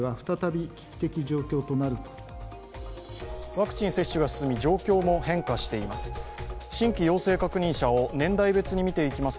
ワクチン接種が進み、状況も変化しています。